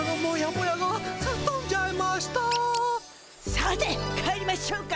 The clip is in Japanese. さて帰りましょうか。